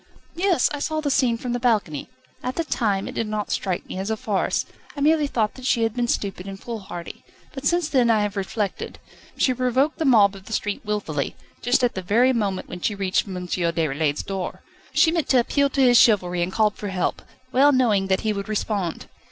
"Yes; I saw the scene from the balcony. At the time it did not strike me as a farce. I merely thought that she had been stupid and foolhardy. But since then I have reflected. She provoked the mob of the street, wilfully, just at the very moment when she reached M. Déroulède's door. She meant to appeal to his chivalry, and called for help, well knowing that he would respond."